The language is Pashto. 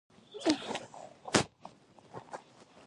ګردیز ښار څومره لرغونی دی؟